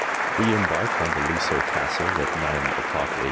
We embarked on the Leasoe Castle at 9 o'clock a.